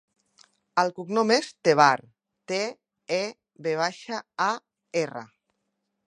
El cognom és Tevar: te, e, ve baixa, a, erra.